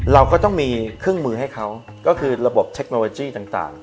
เราก็ต้องมีเครื่องมือให้เขาก็คือระบบเทคโนโลยีต่าง